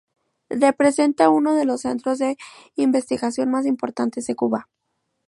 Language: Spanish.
Representa uno de los centros de investigación más importantes de Cuba.